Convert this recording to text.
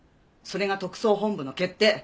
それが特捜本部の決定。